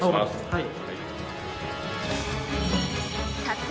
はい。